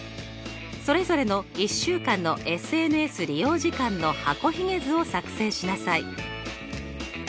それぞれの１週間のＳＮＳ利用時間の箱ひげ図を作成しなさい。